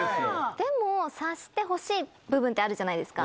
でも察してほしい部分ってあるじゃないですか。